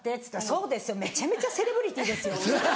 「そうですよめちゃめちゃセレブリティーですよ」。